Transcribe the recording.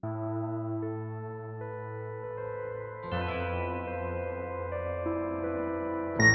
dan aku syang